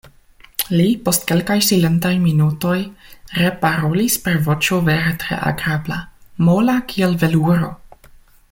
Li, post kelkaj silentaj minutoj, reparolis per voĉo vere tre agrabla, mola kiel veluro: